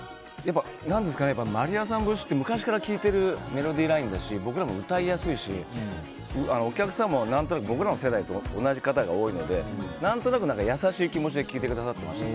まりやさん節って前から聴いてるし僕らも歌いやすいしお客さんも何となく僕らの世代と同じ方が多いので何となく優しい気持ちで聴いてくださっていましたね。